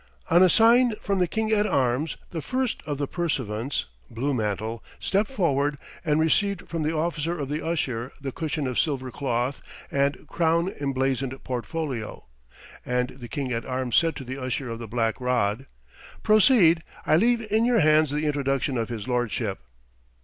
On a sign from the King at Arms, the first of the pursuivants, Blue Mantle, stepped forward and received from the officer of the Usher the cushion of silver cloth and crown emblazoned portfolio. And the King at Arms said to the Usher of the Black Rod, "Proceed; I leave in your hands the introduction of his lordship!"